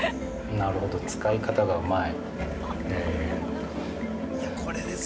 なるほど使い方がうまい。